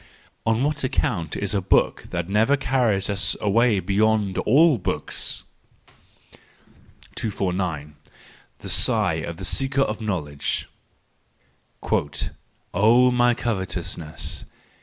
—Of what account is a book that never carries us away beyond all books ? 249. The Sigh of the Seeker of Knowledge .—" Oh, my covetousness